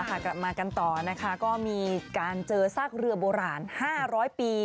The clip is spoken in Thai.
กลับมากันต่อนะคะก็มีการเจอซากเรือโบราณ๕๐๐ปี